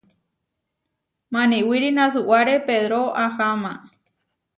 Maniwíri nasuare Pedró aháma.